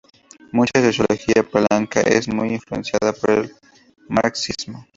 Mucha sociología polaca es muy influenciada por el Marxismo.